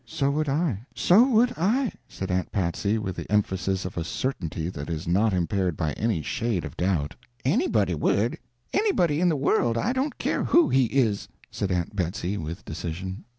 "So would I, so would I," said Aunt Patsy with the emphasis of a certainty that is not impaired by any shade of doubt. "Anybody would anybody in the world, I don't care who he is," said Aunt Betsy with decision.